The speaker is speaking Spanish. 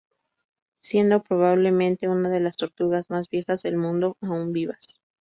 Siendo probablemente una de las tortugas más viejas del mundo aún vivas.